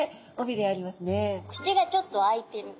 口がちょっと開いてる。